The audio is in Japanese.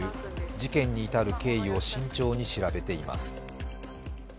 事件に至る経緯を慎重に調べています。